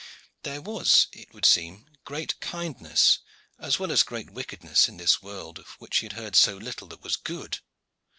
There was, it would seem, great kindness as well as great wickedness in this world, of which he had heard so little that was good.